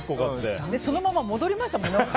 で、そのまま戻りましたものね。